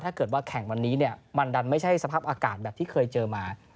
ถ้าเกิดว่าแข่งวันนี้เนี่ยมันดันไม่ใช่สภาพอากาศแบบที่เคยเจอมา